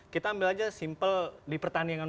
kita ambil aja simple di pertandingan